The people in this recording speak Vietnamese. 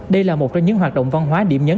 đây là một trong những hoạt động văn hóa điểm nhấn